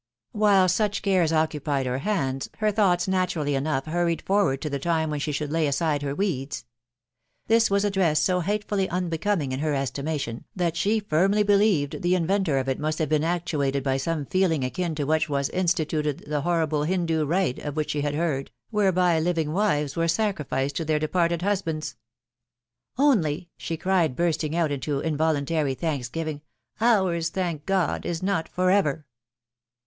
While such cares occupied her hands, her thoughts natu rally enough hurried forward to the time when she should lay aside her weeds. This was a dress so hatefully unbe coming in her estimation, that she firmly believed the inventor of it must have been actuated by some feeling akin to that which instituted the horrible Hindoo rite of which she had heard, whereby living wives were sacrificed to their departed husbands. " Only !" she cried, bursting out into involuntary thanks giving, ie ours, thank God ! is not for ever